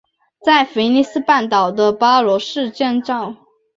在弗内斯半岛的巴罗市建造。